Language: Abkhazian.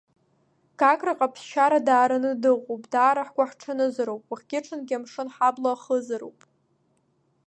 Гаграҟа ԥсшьара даараны дыҟоуп, даара ҳгәаҳҽанызароуп, уахгьы-ҽынгьы амшын ҳабла ахызароуп.